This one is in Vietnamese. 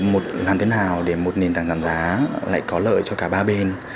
một làm thế nào để một nền tảng giảm giá lại có lợi cho cả ba bên